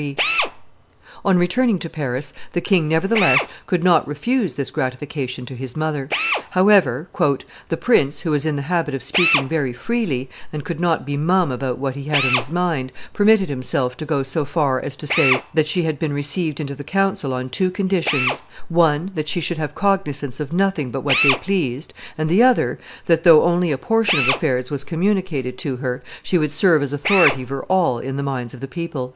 ] On returning to Paris, the king, nevertheless, could not refuse this gratification to his mother. However, "the prince, who was in the habit of speaking very freely, and could not be mum about what he had on his mind, permitted himself to go so far as to say that she had been received into the council on two conditions, one, that she should have cognizance of nothing but what they pleased, and the other, that, though only a portion of affairs was communicated to her, she would serve as authority for all in the minds of the people."